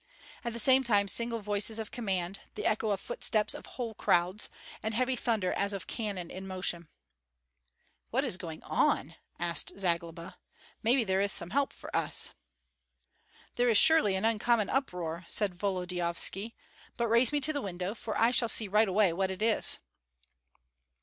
At the same time single voices of command, the echo of footsteps of whole crowds, and heavy thunder as of cannon in motion. "What is going on?" asked Zagloba. "Maybe there is some help for us." "There is surely an uncommon uproar," said Volodyovski. "But raise me to the window, for I shall see right away what it is."